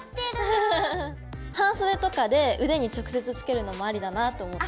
半袖とかで腕に直接着けるのもアリだなと思った。